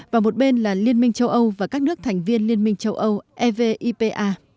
và một bên là liên minh châu âu và các nước thành viên liên minh châu âu evipa